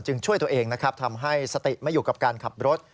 จึงช่วยตัวเองทำให้สติไม่อยู่กับการขับรถ